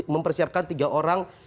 mempersiapkan tiga orang